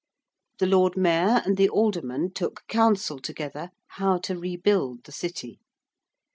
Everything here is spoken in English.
The Lord Mayor and the Aldermen took counsel together how to rebuild the City.